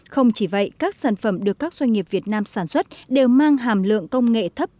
không chỉ vậy các sản phẩm được các doanh nghiệp việt nam sản xuất đều mang hàm lượng công nghệ thấp